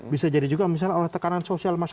bisa jadi juga misalnya oleh tekanan sosial